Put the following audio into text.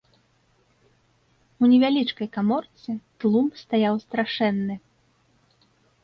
У невялічкай каморцы тлум стаяў страшэнны.